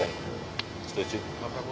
bapak saya ikut dari metro tv pak